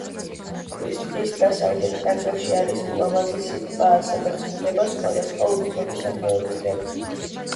ქვის ტყის დასავლეთ ნაწილში არის ულამაზესი ტბა, სადაც გვხვდება სხვადასხვა უცნობი სახეობის თევზი.